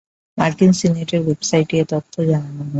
মার্কিন সিনেটের ওয়েবসাইটে এ তথ্য জানানো হয়েছে।